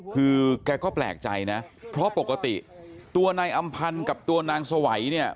คือแกก็แปลกใจนะเพราะปกติตัวนายอำพันธ์กับตัวนางสวัยเนี่ย